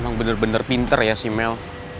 emang bener bener pinter ya si mel